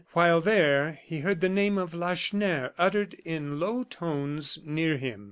While there he heard the name of Lacheneur uttered in low tones near him.